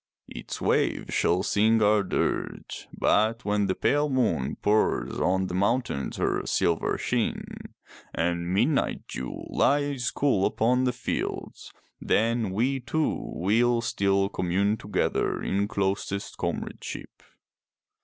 Its waves shall sing our dirge, but when the pale moon pours on the mountains her silver sheen, and the midnight dew lies cool upon the fields, then we two will still commune together in closest comradeship.